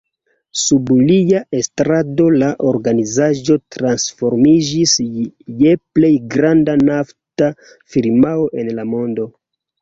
Sub lia estrado la organizaĵo transformiĝis je plej granda nafta firmao en la mondo.